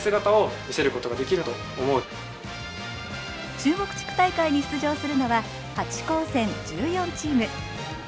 中国地区大会に出場するのは８高専１４チーム。